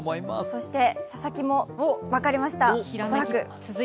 そして佐々木も分かりました、恐らく。